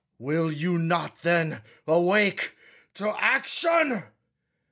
Will you not, then, awake to action?